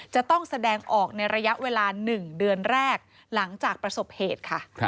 จะต้องแสดงออกในระยะเวลา๑เดือนแรกหลังจากประสบเหตุค่ะ